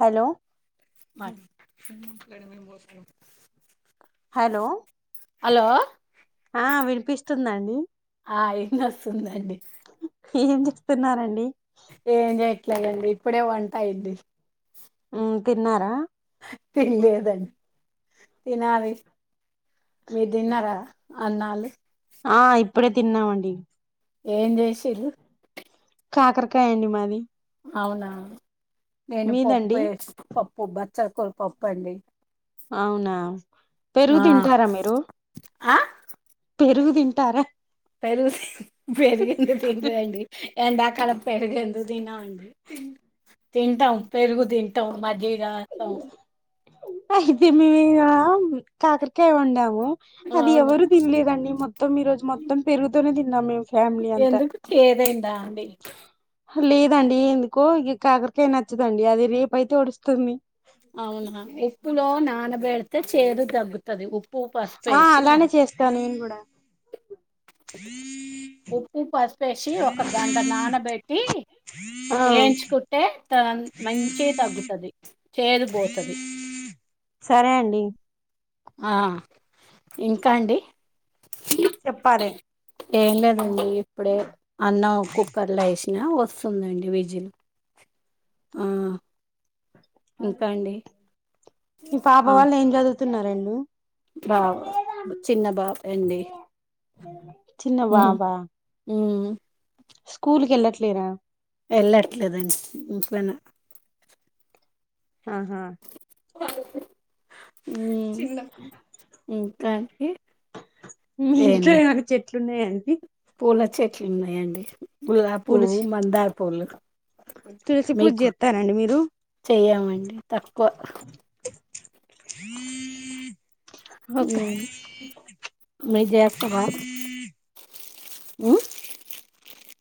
hello అక్కడ నేను పోయి పోస్తనం హలో హలో ఆ వినిపిస్తుందండి ఆ వినోస్థాదండి ఏం చెస్తూన్నారండి ఏం చేయట్లేదండి ఇప్పుడే వంట అయింది ఉమ్ తిన్నారా తినలేదండి తినాలి మీరు తిన్నారా అన్నాలు ఆ ఇప్పుడే తిన్నామండి ఏం చేసిరు కాకరకాయ అండి మాది అవునా నేను పప్పు మీదండి వ పప్పు బచ్చల కూర పప్పు అండి అవునా పెరుగు ఆ తింటారా మీరు ఆ పేరుగు తింటారా పెరు పెరుగు ఏందుకు తినరండి ఎండా కాలం పెరిగెందుకు తినం అండి తింటాం పెరుగు తింటాం మజ్జిగా రాస్తాం అయితే మేము ఇగ కాకరకాయ వండాము అది అవునా ఎవరు తినలేదండి మొత్తం ఈ రోజు మొత్తం పెరుగుతోనే తిన్నాం మేము ఫ్యామిలీ అంతా ఎందుకు చేదయింద అండి లేదండి ఎందుకో ఇ కాకరకాయ నచ్చదండి అది రేప అయితే ఒడుస్తుంది అవునా ఉప్పులో నాన బెడితే చేదు తగ్గుతది ఉప్పు పసుపు ఆ వేసి నా అలానే చేస్తాను నేను కూడా ఉప్పు పసుపు పేసి ఒక గంట నానబెట్టి ఆ వేయించుకుంటే త మంచిగా తగ్గుతది చేదు పోతాది సరే అండి ఆ ఇంకా అండి చెప్పాలే ఏం లేదండి ఇప్పుడే అన్నం కుక్కర్లో వేసినా వస్తు ఉందండి విజల్ ఆ ఇంకా అండి మీ పాప వాళ్ళు ఏం చదువుతున్నారండి బాబా చిన్న బాబండి చిన్న ఉమ్ బాబా ఉమ్ స్కూల్ కేళ్ళట్లేరా వెళ్ళట్లేదండి ఇంట్లోనే ఆహా ఉమ్ ఇంకా మీ ఏం ఇంట్లో లేదు ఏమన్న చెట్లున్నాయండి పూల చెట్లు ఉన్నాయండి పూలు గులాపువ్వు మందార్ పూలు తులసి పూజ మీకు చేస్తారండి మీరు చేయమండి తక్కువ హ ఉమ్ మీరు జేస్తరా మ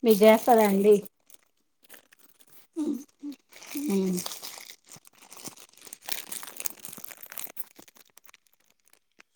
మిదిజేస్తలే అండి ఉ